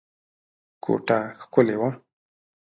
کوټه ښکلې وه.